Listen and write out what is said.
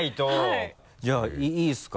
じゃあいいですか？